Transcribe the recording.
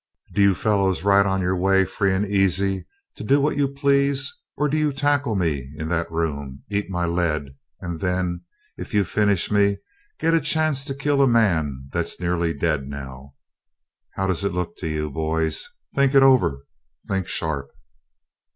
Do you fellows ride on your way free and easy, to do what you please, or do you tackle me in that room, eat my lead, and then, if you finish me, get a chance to kill a man that's nearly dead now? How does it look to you, boys? Think it over. Think sharp!"